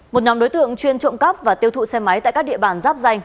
một nhóm đối tượng chuyên trộm cắp và tiêu thụ xe máy tại các địa bàn giáp danh